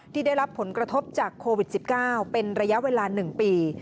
ที่ได้รับผลกระทบจากโควิด๑๙เป็นระยะเวลา๑ปี